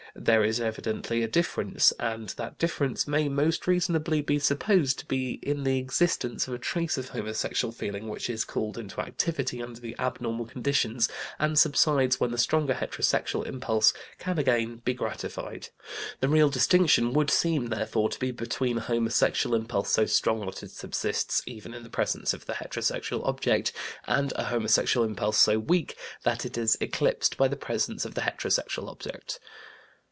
There is evidently a difference, and that difference may most reasonably be supposed to be in the existence of a trace of homosexual feeling which is called into activity under the abnormal conditions, and subsides when the stronger heterosexual impulse can again be gratified. The real distinction would seem, therefore, to be between a homosexual impulse so strong that it subsists even in the presence of the heterosexual object, and a homosexual impulse so weak that it is eclipsed by the presence of the heterosexual object.